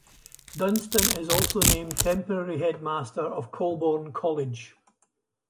Dunstan is also named temporary Headmaster of Colborne College.